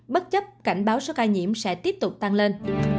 bất chấp cảnh báo số ca nhiễm sẽ tiếp tục tăng lên